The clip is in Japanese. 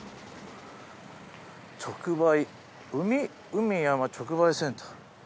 直売海・山直売センター。